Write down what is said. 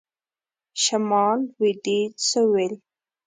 شمال .. لویدیځ .. سوېل ..